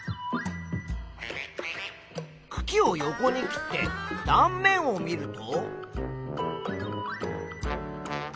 くきを横に切って断面を見ると。